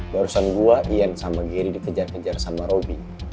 barusan gue ian sama gery dikejar kejar sama robby